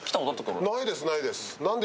ないですないです。